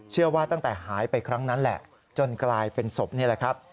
ตั้งแต่หายไปครั้งนั้นแหละจนกลายเป็นศพนี่แหละครับ